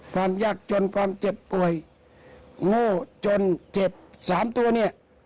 ความยากจนความเจ็บป่วยโง่จนเจ็บสามตัวเนี่ย